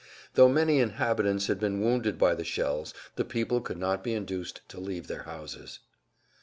Though many inhabitants had been wounded by the shells the people could not be induced to leave their houses.